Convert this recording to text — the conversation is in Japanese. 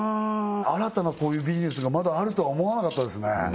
新たなこういうビジネスがまだあるとは思わなかったですね